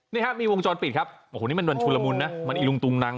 นี่ครับมีวงจรปิดครับโอ้โหนี่มันวันชุนละมุนนะมันอีลุงตุงนัง